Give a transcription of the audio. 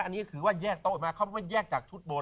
อันนี้คือว่าแยกโต๊ะมาเขาว่าแยกจากชุดบน